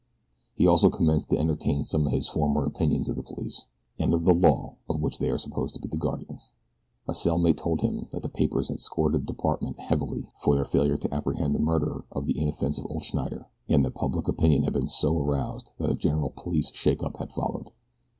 He also commenced to entertain some of his former opinions of the police, and of the law of which they are supposed to be the guardians. A cell mate told him that the papers had scored the department heavily for their failure to apprehend the murderer of the inoffensive old Schneider, and that public opinion had been so aroused that a general police shakeup had followed.